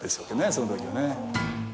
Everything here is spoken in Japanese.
その時はね。